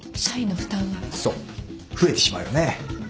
そう増えてしまうよね。